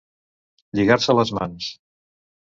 Lligar-se les mans.